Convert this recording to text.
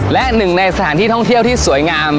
และหนึ่งในสถานที่ท่องเที่ยวที่สวยงาม